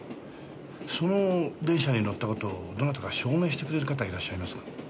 その電車に乗った事をどなたか証明してくれる方はいらっしゃいますか？